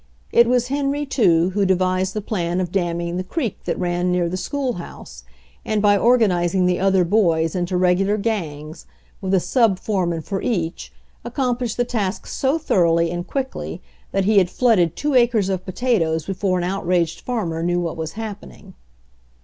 It was Henry, too, who devised the plan of damming the creek that ran near the school house, and by organizing the other boys into reg ular gangs, with a subf oreman for each, accom plished the task so thoroughly and quickly that he had flooded two acres of potatoes before an outraged farmer knew what was happening.